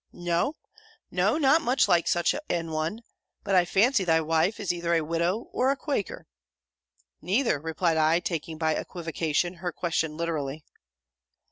'No no! not much like such an one. But I fancy thy wife is either a Widow or a Quaker.' 'Neither,' replied I, taking, by equivocation, her question literally.